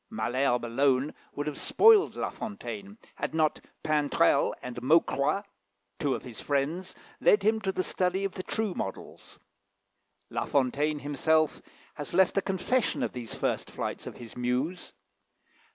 Malherbe alone would have spoiled La Fontaine, had not Pintrel and Maucroix, two of his friends, led him to the study of the true models. La Fontaine himself has left a confession of these first flights of his muse.